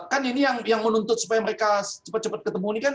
kan ini yang menuntut supaya mereka cepat cepat ketemu ini kan